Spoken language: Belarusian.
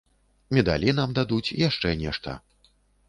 Медалі нам дадуць, яшчэ нешта.